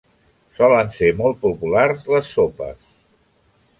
Solen ser molt populars les sopes.